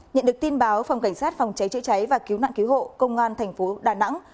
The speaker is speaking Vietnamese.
nhận được tin báo phòng cảnh sát phòng cháy chữa cháy và cứu nạn cứu hộ công an thành phố đà nẵng